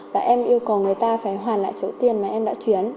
và em yêu cầu người ta phải hoàn lại số tiền mà em đã chuyển